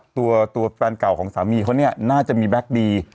ตัวแฟนเก่าของสามีเขาเนี่ยน่าจะมีแบ็คดี